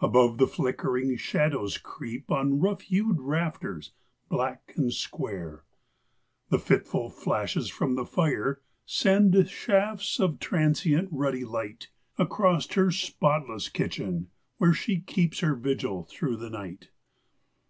Above, the flickering shadows creep on rough hewed raf¬ ters, black and The fitful flashes from the fire send shafts of transient, ruddy light Across her spotless kitchen where she keeps her vigil, through the night.